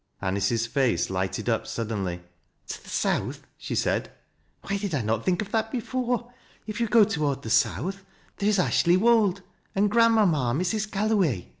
Anice's face lighted up suddenly. "To the south! " she said. " Why did I not think of that before If yon go toward the south, there is Ashley Wold and grandmamma, Mrs. Galloway.